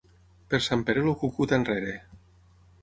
Per Sant Pere, el cucut enrere.